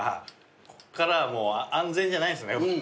こっからは安全じゃないんすね。